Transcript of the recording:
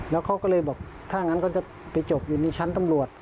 แล้วเขาก็เลยบอกถ้างั้นก็จะไปจบอยู่ในชั้นตำรวจ